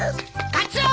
カツオ！